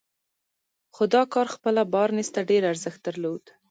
خو دا کار خپله بارنس ته ډېر ارزښت درلود.